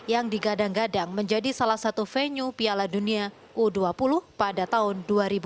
yang digadang gadang menjadi salah satu venue piala dunia u dua puluh pada tahun dua ribu dua puluh